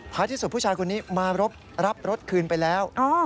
ที่สุดผู้ชายคนนี้มารับรถคืนไปแล้ว